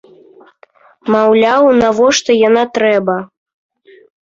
Маўляў, навошта яно трэба!?